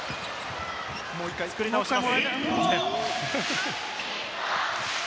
もう１回、作り直します。